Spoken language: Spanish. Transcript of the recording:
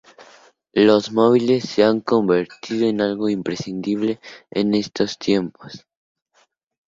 Los móviles se han convertido en algo imprescindible en estos tiempos.